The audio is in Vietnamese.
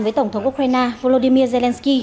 với tổng thống ukraine volodymyr zelensky